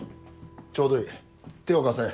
ちょうどいい手を貸せ。